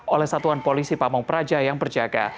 oleh satuan polisi pamung praja yang berjaga